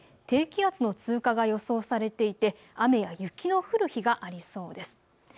低気圧の通過が予想されていて雨や雪の降る日がありそうです。